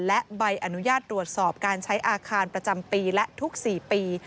และใบอนุญาตตรวจสอบการใช้อาคารประจำปีและทุก๔ปี